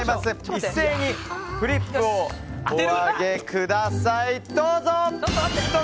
一斉にフリップをお上げください！